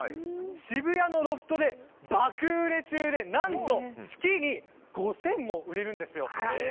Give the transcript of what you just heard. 渋谷のロフトで爆売れ中で何と、月に５０００も売れるんですよ。